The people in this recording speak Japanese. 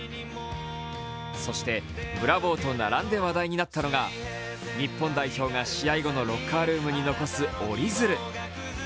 そして、「ブラボー」と並んで話題になったのが日本代表が試合後のロッカールームに残す折り鶴。